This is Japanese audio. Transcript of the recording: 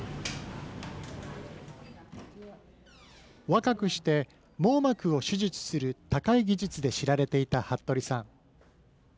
若くして網膜を手術する高い技術で知られていた服部さん。